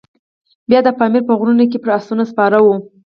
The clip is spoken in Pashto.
بیا د پامیر په غرونو کې پر آسونو سپاره وو.